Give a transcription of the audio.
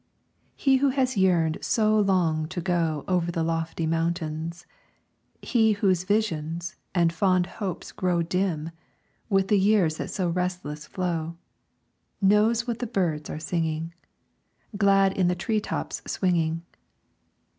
He who has yearned so long to go Over the lofty mountains He whose visions and fond hopes grow Dim, with the years that so restless flow Knows what the birds are singing, Glad in the tree tops swinging.